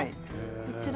こちら。